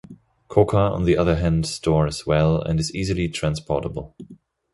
Coca on the other hand stores well and is easily transportable.